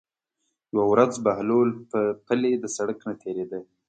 یوه ورځ بهلول پلي د سړک نه تېرېده.